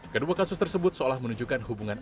kedua kasus tersebut seolah menunjukkan hubungan